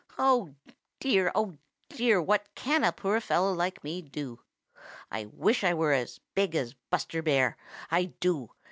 Oh, dear, oh, dear, what can a poor little fellow like me do? I wish I were as big as Buster Bear. I do.